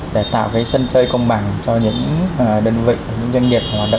để tạo cái sân chơi công bằng cho những